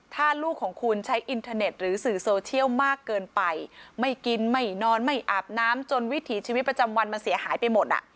ถ้าลูกของคุณใช้อินเทอร์เน็ตหรือสื่อโซเชียลมากเกินไปไม่กินไม่นอนไม่อาบน้ำจนวิถีชีวิตประจำวันมันเสียหายไปหมดอ่ะ